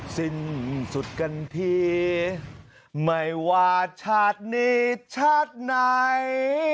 สิ้นสุดกันทีไม่ว่าชาตินี้ชาติไหน